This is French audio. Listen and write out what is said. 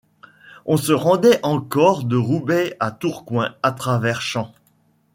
On se rendait encore de Roubaix à Tourcoing à travers champs.